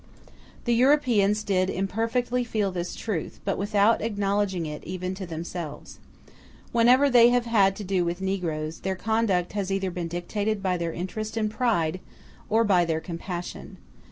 The Europeans did imperfectly feel this truth, but without acknowledging it even to themselves. Whenever they have had to do with negroes, their conduct has either been dictated by their interest and their pride, or by their compassion.